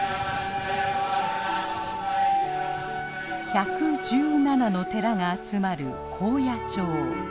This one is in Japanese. １１７の寺が集まる高野町。